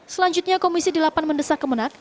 selanjutnya komisi delapan mendesak kemenang